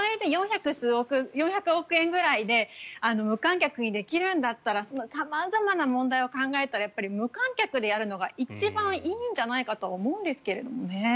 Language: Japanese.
４００億円ぐらいで無観客にできるんだったら様々な問題を考えたらやっぱり無観客でやるのが一番いいんじゃないかと思うんですけどね。